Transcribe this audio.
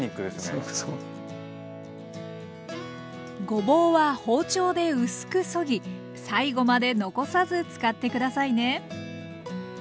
ごぼうは包丁で薄くそぎ最後まで残さず使って下さいね。